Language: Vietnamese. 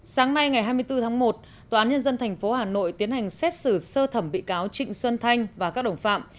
sáng nay ngày hai mươi bốn tháng một tòa án nhân dân tp hà nội tiến hành xét xử sơ thẩm bị cáo trịnh xuân thanh và các đồng phạm